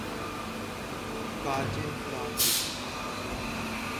کاجن فرانسیسی